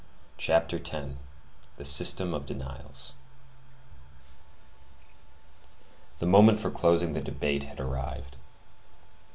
CHAPTER X—THE SYSTEM OF DENIALS The moment for closing the debate had arrived.